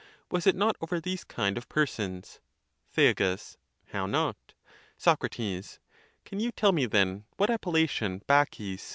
was it not over these kind of persons ?|᾿ Thea. How not? Soc. Can you tell me then, what appellation Bacis